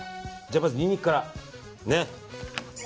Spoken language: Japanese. まずニンニクから。